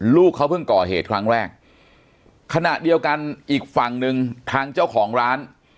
ลูกเขาเพิ่งก่อเหตุครั้งแรกขณะเดียวกันอีกฝั่งหนึ่งทางเจ้าของร้าน